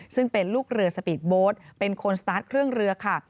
ซึ่งเป็นลูกเรือสปีดโบ๊ทเป็นคนสตาร์ทเครื่องเรือค่ะ